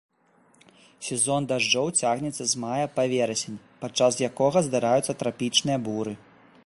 Сезон дажджоў цягнецца з мая па верасень, пад час якога здараюцца трапічныя буры.